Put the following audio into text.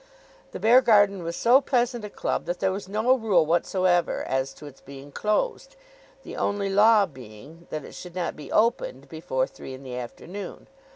The Beargarden was so pleasant a club that there was no rule whatsoever as to its being closed, the only law being that it should not be opened before three in the afternoon.